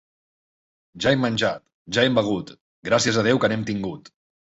Ja hem menjat, ja hem begut, gràcies a Déu que n'hem tingut.